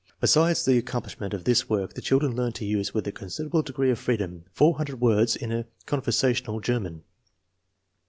"Besides the accomplishment of this work, the children learned to use with a considerable degree of freedom 400 words in conversational Ger man.